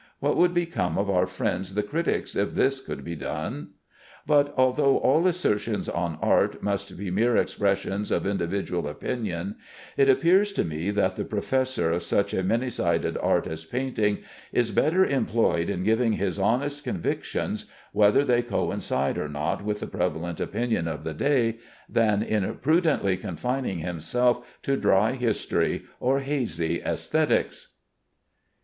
What would become of our friends the critics, if this could be done? But although all assertions on art must be mere expressions of individual opinion, it appears to me that the professor of such a many sided art as painting is better employed in giving his honest convictions (whether they coincide or not with the prevalent opinion of the day) than in prudently confining himself to dry history or hazy æsthetics.